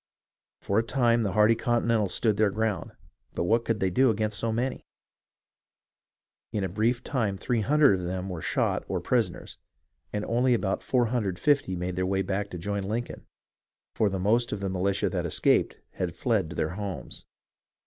For a time the hardy Continentals stood their ground, but what could they do against so many ? In a brief time 300 of them were shot or prisoners, and only about 450 made their way back to join Lincoln, for the most of the militia that escaped had fled to their homes.